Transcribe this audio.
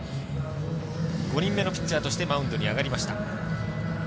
５人目のピッチャーとしてマウンドに上がりました。